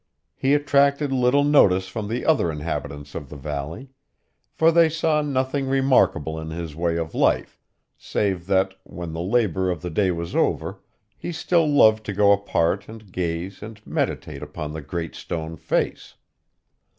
He attracted little notice from the other inhabitants of the valley; for they saw nothing remarkable in his way of life, save that, when the labor of the day was over, he still loved to go apart and gaze and meditate upon the Great Stone Face.